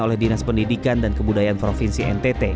oleh dinas pendidikan dan kebudayaan provinsi ntt